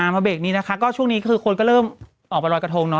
เบรกนี้นะคะก็ช่วงนี้คือคนก็เริ่มออกไปรอยกระทงเนา